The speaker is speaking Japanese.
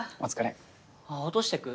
あっ落としてく？